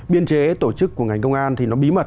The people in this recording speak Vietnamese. biên chế tổ chức của ngành công an thì nó bí mật